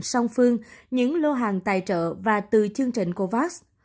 song phương những lô hàng tài trợ và từ chương trình covax